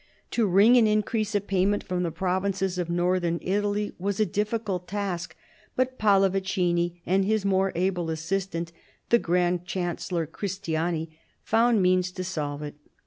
To wring an increase of payment from the provinces of Northern Italy was a difficult task, but Pallavicini and his more able assistant, the Grand Chancellor Christiani, found means to solve it.